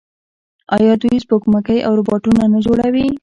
آیا دوی سپوږمکۍ او روباټونه نه جوړوي؟